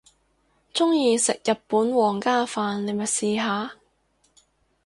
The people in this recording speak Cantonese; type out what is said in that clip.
鍾意食日本皇家飯你咪試下